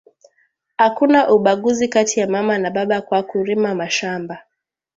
Akuna ubaguzi kati ya mama na baba kwaku rima mashamba